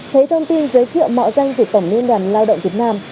thấy thông tin giới thiệu mạo danh từ tổng liên đoàn lao động việt nam